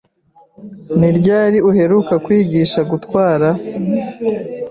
Ni ryari uheruka kwigisha gutwara?